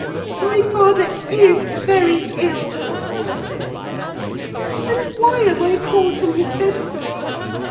"My father is very ill," she said; "and why am I called from his bedside?